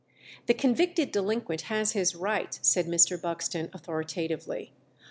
" "The convicted delinquent has his rights," said Mr. Buxton authoritatively.